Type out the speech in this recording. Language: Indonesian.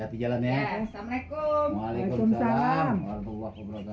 ya jalan ya assalamualaikum waalaikumsalam warahmatullah wabarakatuh nah hai cepetan kenapa ya